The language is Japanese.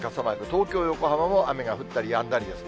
東京、横浜も雨が降ったりやんだりです。